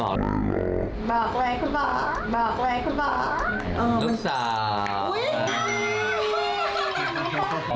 ลูกสาว